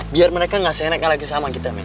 biar mereka gak senek kalah kesama kita men